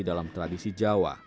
dalam tradisi jawa